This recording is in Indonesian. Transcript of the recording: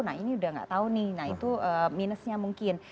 nah ini udah nggak tahu nih nah itu minusnya mungkin